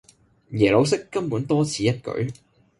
耶魯式根本多此一舉